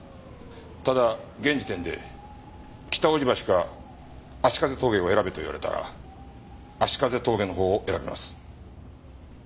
ただ現時点で北大路橋か葦風峠を選べと言われたら葦風峠のほうを選びます。